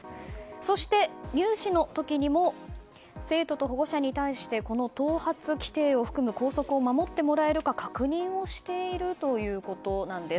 そして入試の時にも生徒と保護者に対して頭髪規定を含む校則を守ってもらえるか確認しているということです。